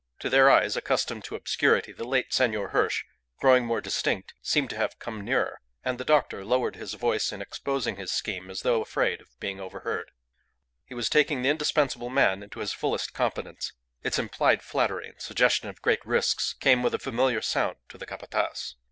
To their eyes, accustomed to obscurity, the late Senor Hirsch, growing more distinct, seemed to have come nearer. And the doctor lowered his voice in exposing his scheme as though afraid of being overheard. He was taking the indispensable man into his fullest confidence. Its implied flattery and suggestion of great risks came with a familiar sound to the Capataz.